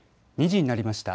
２時になりました。